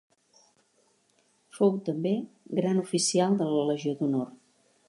Fou també Gran oficial de la Legió d'Honor.